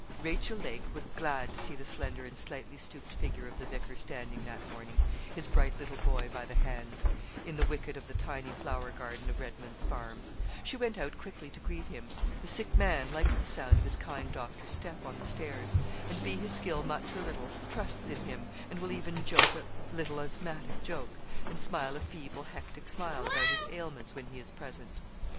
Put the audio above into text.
Rachel Lake was glad to see the slender and slightly stooped figure of the vicar standing that morning his bright little boy by the hand in the wicket of the tiny flower garden of Redman's Farm. She went out quickly to greet him. The sick man likes the sound of his kind doctor's step on the stairs; and, be his skill much or little, trusts in him, and will even joke a little asthmatic joke, and smile a feeble hectic smile about his ailments, when he is present.